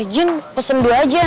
jin pesen dua aja